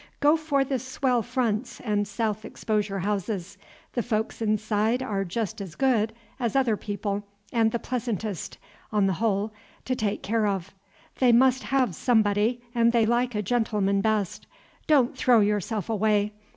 Go for the swell fronts and south exposure houses; the folks inside are just as good as other people, and the pleasantest, on the whole, to take care of. They must have somebody, and they like a gentleman best. Don't throw yourself away.